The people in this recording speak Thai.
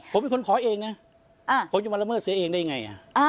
ผมเป็นคนขอเองนะผมจะมาละเมิดเสียเองได้ไง